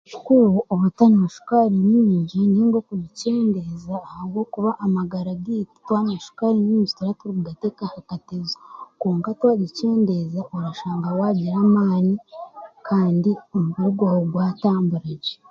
Ekikuru obutanywa shukaari nyingi nainga okugikyendeeza ahabwokuba amagara gaitu twanywa shukaari nyingi turaba turenda kweta ha rutezo kwonka twagikyendeeza oshanga waagira amaani kandi omubiri gwawe gwatambura gye.